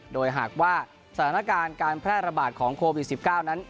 โดยหากว่าสถานการณ์การแพร่ระบาดของโควิด๑๙นั้น